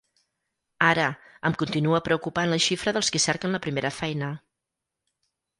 Ara, em continua preocupant la xifra dels qui cerquen la primera feina.